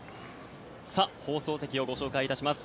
放送席をご紹介いたします。